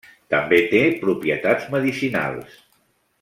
També té propietats medicinals.